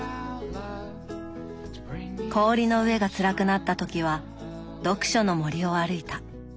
氷の上がつらくなった時は読書の森を歩いた。